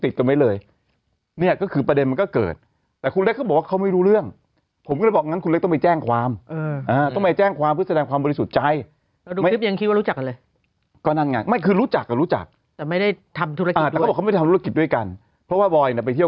เดี๋ยวที่ทางเด็กคุณเล็กผูกติดต่อไว้เลย